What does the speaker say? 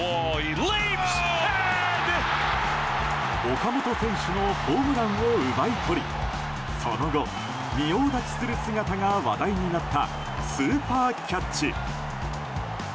岡本選手のホームランを奪い取りその後、仁王立ちする姿が話題になったスーパーキャッチ。